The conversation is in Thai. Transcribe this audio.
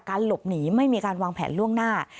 หลบหนีไม่มีการวางแผนล่วงหน้า